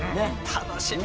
楽しみ！